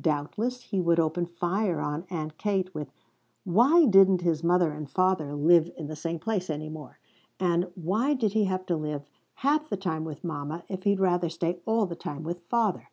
Doubtless he would open fire on Aunt Kate with Why didn't his mother and father live in the same place any more, and Why did he have to live half the time with mama if he'd rather stay all the time with father?